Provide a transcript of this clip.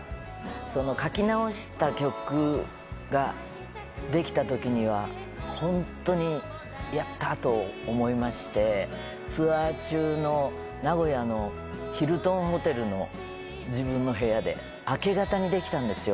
その書き直した曲が出来たときには、本当にやったー！と思いまして、ツアー中の名古屋のヒルトンホテルの自分の部屋で、明け方に出来たんですよ。